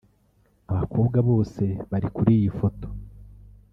Abakobwa bose bari kuri iyi foto